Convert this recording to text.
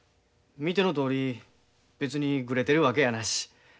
見てのとおり別にグレてるわけやなし。